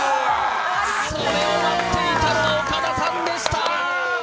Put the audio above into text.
これを待っていたのは岡田さんでした。